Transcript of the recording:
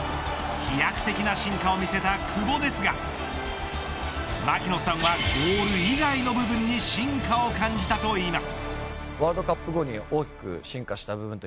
飛躍的な進化を見せた久保ですが槙野さんはゴール以外の場面に進化を感じたといいます。